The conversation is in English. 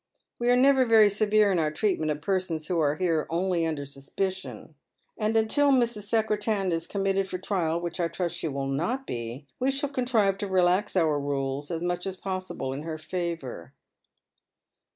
We are never very severe in our treatment of persons who are here only under suspicion ; and until Mrs. Secrctan is committed for trial — which I trust she will not be — we shall contrive to relax our rules as much as possible in her favour.